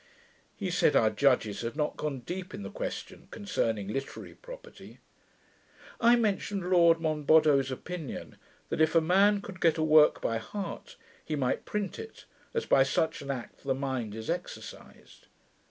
He said, our judges had not gone deep in the question concerning literary property. I mentioned Lord Monboddo's opinion, that if a man could get a work by heart, he might print it, as by such an act the mind is exercised.